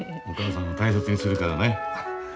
お母さんを大切にするからね。